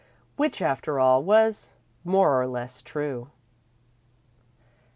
Which, after all, was more or less true.